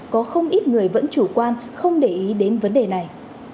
có không ít người vẫn chủ quan không để ý đến vấn đề này